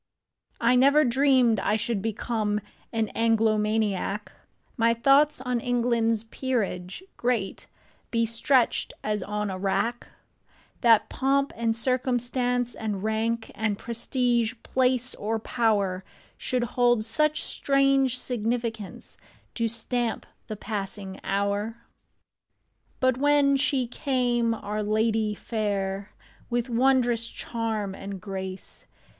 NEVER dreamed I should become An Anglomaniac ; My thoughts on England's peerage great Be stretched as on a rack ; That pomp and circumstance and rank And prestige, place or power, Should hold such strange significance To stamp the passing hour. But when she came, our Ladye Faire, With wondrous charm and grace.